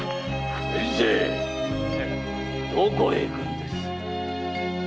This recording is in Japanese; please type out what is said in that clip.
どこへ行くんです？